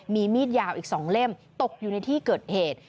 มีมีดยาวอีก๒เล่มตกอยู่ในที่เกิดเหตุ